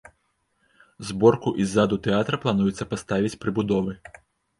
Зборку і ззаду тэатра плануецца паставіць прыбудовы.